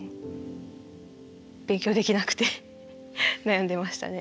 勉強できなくて悩んでましたね。